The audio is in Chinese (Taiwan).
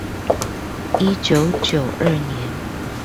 一九九二年